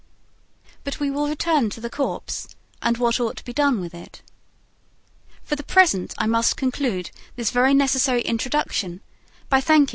But we will return to the corpse and what ought to be done with it. For the present, I must conclude this very necessary introduction by thanking M.